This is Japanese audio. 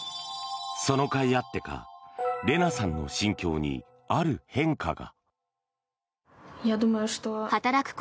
そのかいあってかレナさんの心境にある変化が。